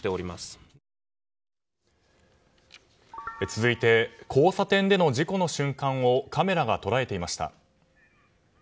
続いて交差点での事故の瞬間をカメラが捉えていました。